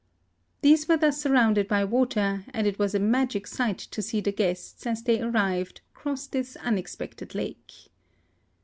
These were thus surrounded by water, and it was a magic sight to see the guests, as they arrived, cross this unexpected lake.